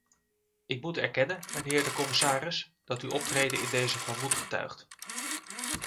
Ik moet erkennen, mijnheer de commissaris, dat uw optreden in dezen van moed getuigt.